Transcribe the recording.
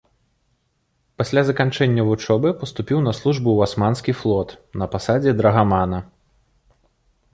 Пасля заканчэння вучобы паступіў на службу ў асманскі флот на пасадзе драгамана.